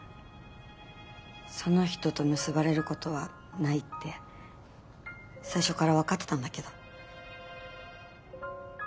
その人と結ばれることはないって最初から分かってたんだけど。